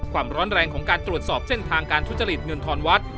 ความร้อนแรงของการตรวจสอบเส้นทางการทุจริตเงินทอนวัด